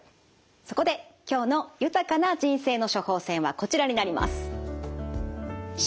そこで今日の「豊かな人生の処方せん」はこちらになります。